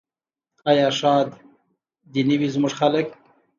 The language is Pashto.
آیا ښاد دې نه وي زموږ خلک؟